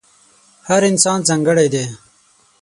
هر انسان ځانګړی دی.